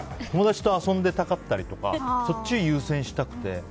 友達と遊んでいたかったりそっち優先したくて。